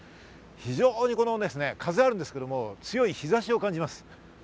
非常に風はあるんですけれども、強い日差しを感じます。